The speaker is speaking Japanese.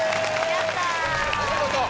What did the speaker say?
お見事。